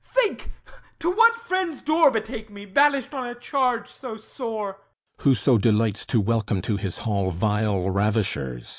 Think. To what friend's door Betake me, banished on a charge so sore? THESEUS Whoso delights to welcome to his hall Vile ravishers